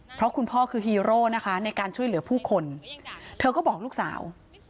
เพราะคุณพ่อคือฮีโร่นะคะในการช่วยเหลือผู้คนเธอก็บอกลูกสาว